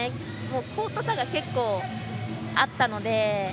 コート差が結構あったので。